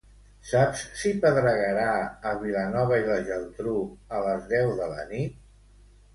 Saps si pedregarà a Vilanova i la Geltrú a les deu de la nit?